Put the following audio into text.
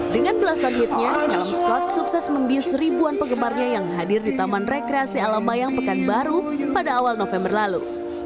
dengan belasan hitnya helm scott sukses membius ribuan penggemarnya yang hadir di taman rekreasi alam mayang pekanbaru pada awal november lalu